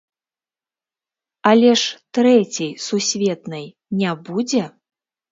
Але ж Трэцяй сусветнай не будзе?